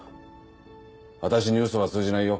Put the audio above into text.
私にウソは通じないよ。